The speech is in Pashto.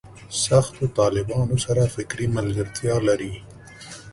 سختو طالبانو سره فکري ملګرتیا لري.